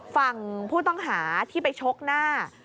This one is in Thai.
ฝั่งผู้ต้องหาที่ไปชกหน้า